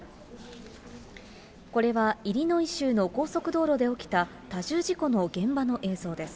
これはイリノイ州の高速道路で起きた多重事故の現場の映像です。